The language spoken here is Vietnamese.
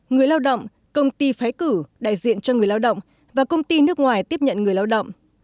người lao động công ty phái cử đại diện cho người lao động và công ty nước ngoài tiếp nhận người lao động